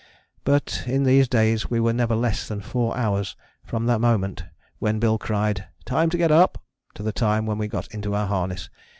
But in these days we were never less than four hours from the moment when Bill cried "Time to get up" to the time when we got into our harness.